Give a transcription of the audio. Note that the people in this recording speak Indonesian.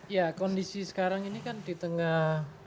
ya kondisi sekarang ini kan di tengah